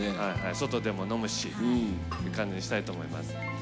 外でも飲むしっていう感じにしたいと思います。